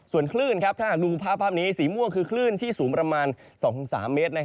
ส่วนคลื่นถ้าหากดูภาพนี้สีม่วงคือคลื่นที่สูงประมาณ๒๓เมตร